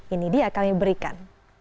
ini dia kami berikan